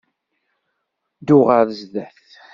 Ddu ɣer sdat!